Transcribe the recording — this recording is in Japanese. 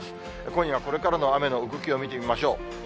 今夜これからの雨の動きを見てみましょう。